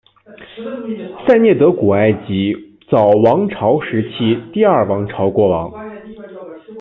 塞涅德古埃及早王朝时期第二王朝国王。